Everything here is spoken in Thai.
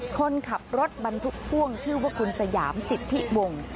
คนขับรถบรรทุกพ่วงชื่อว่าคุณสยามสิทธิวงศ์